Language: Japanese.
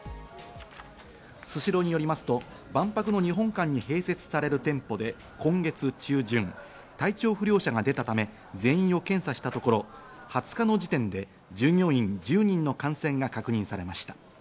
スシローによりますと、万博の日本館に併設される店舗で今月中旬、体調不良者が出たため全員を検査したところ、２０日の時点で従業員１０人の感染が確認されました。